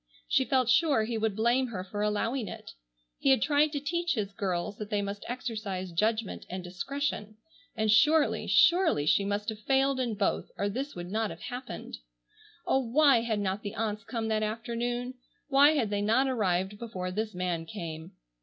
She felt sure he would blame her for allowing it. He had tried to teach his girls that they must exercise judgment and discretion, and surely, surely, she must have failed in both or this would not have happened. Oh, why had not the aunts come that afternoon! Why had they not arrived before this man came!